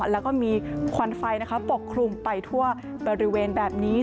แล้วก็มีควันไฟปกคลุมไปทั่วบริเวณแบบนี้